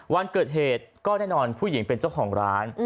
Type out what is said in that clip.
วันเกิดเหตุก็แน่นอนผู้หญิงเป็นเจ้าของร้าน